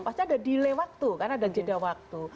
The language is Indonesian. pasti ada delay waktu karena ada jeda waktu